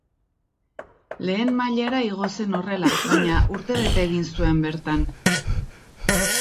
Lehen mailara igo zen horrela baina urtebete egin zuen bertan.